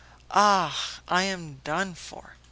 Ah! I am done for."